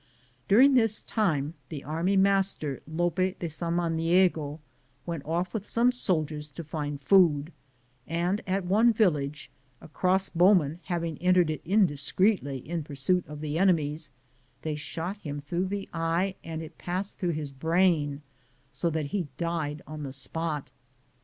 During this time the army mas ter, Lope de Samaniego, went off with some soldiers to find food, and at one village, a crossbowman having entered it indiscreetly in pursuit of the enemies, they shot him through the eye and it passed through his brain, so that he died on the spot.